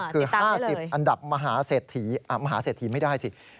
คือ๕๐อันดับมหาเศรษฐีมหาเศรษฐีไม่ได้สิ